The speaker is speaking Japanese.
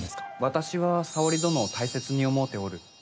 私は沙織殿を大切に思うておる。